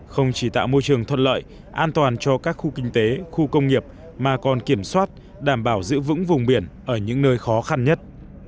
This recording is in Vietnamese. không chỉ tạo môi trường thuận lợi an toàn cho các khu kinh tế khu công nghiệp mà còn kiểm soát đảm bảo giữ vững vùng biển ở những nơi khó khăn nhất